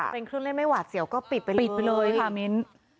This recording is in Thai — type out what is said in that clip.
เล่นเครื่องเล่นไม่หวาดเสี่ยวก็ปิดไปเลยค่ะมิ้น